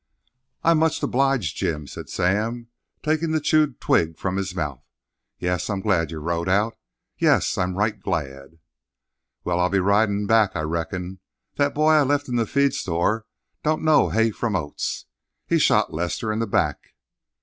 "I am much obliged, Jim," said Sam, taking the chewed twig from his mouth. "Yes, I'm glad you rode Out. Yes, I'm right glad." "Well, I'll be ridin' back, I reckon. That boy I left in the feed store don't know hay from oats. He shot Lester in the back."